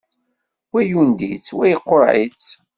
Wa yundi-tt wa yeqqureɛ-itt.